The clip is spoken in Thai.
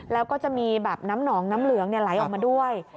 แล้วก็จะมีแบบน้ำหนองน้ำเหลืองไหลออกมาด้วย